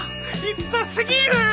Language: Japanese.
立派過ぎる。